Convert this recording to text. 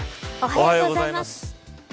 おはようございます。